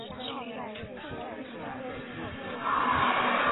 因此在社会上享有很高声誉。